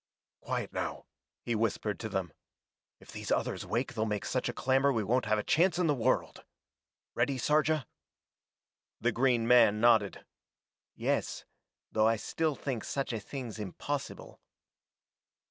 "Quiet now," he whispered to them. "If these others wake they'll make such a clamor we won't have a chance in the world. Ready, Sarja?" The green man nodded. "Yes, though I still think such a thing's impossible."